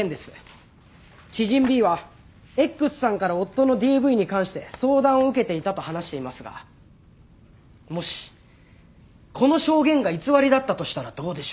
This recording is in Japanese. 知人ＢはＸさんから夫のＤＶに関して相談を受けていたと話していますがもしこの証言が偽りだったとしたらどうでしょう？